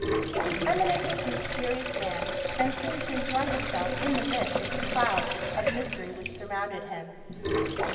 He was eminently a mysterious man, and seemed to enjoy himself in the midst of the cloud of mystery which surrounded him.